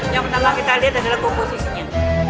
yang pertama kita lihat adalah komposisinya